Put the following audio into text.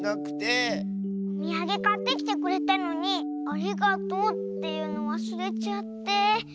おみやげかってきてくれたのに「ありがとう」っていうのわすれちゃって。